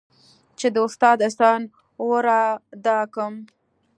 چې د استاد احسان ورادا كړم.